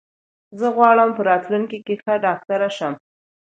زه غواړم په راتلونکې کې ښه ډاکټر شم.